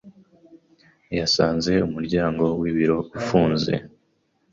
yasanze umuryango wibiro ufunze.